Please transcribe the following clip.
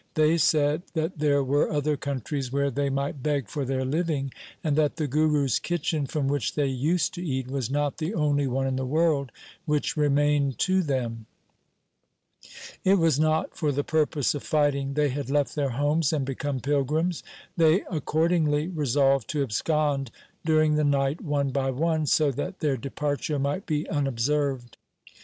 They said that there were other countries where they might beg for their living, and that the Guru's kitchen from which they used to eat, was not the only one in the world which remained to them. It was not for the purpose of fighting they had left their homes and become pilgrims. They accordingly resolved to abscond during the night one by one, so that their departure might be unobserved.